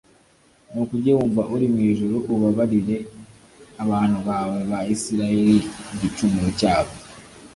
nuko ujye wumva uri mu ijuru ubabarire abantu bawe ba isirayeli igicumuro cyabo